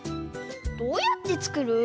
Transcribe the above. どうやってつくる？